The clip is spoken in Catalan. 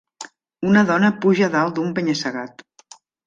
Una dona puja dalt d'un penya-segat